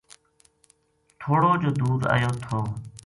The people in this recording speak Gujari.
تھوڑو جو دُور ایو تھو